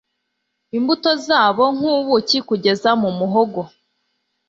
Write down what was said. Imbuto zabo nkubuki kugeza mu muhogo